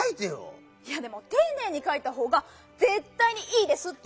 いやでもていねいにかいたほうがぜったいにいいですって！